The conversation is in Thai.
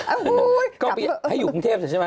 อ้าวกลับไปเอออยู่กรุงเทพฯใช่ไหม